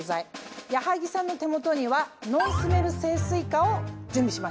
矢作さんの手元にはノンスメル清水香を準備しました。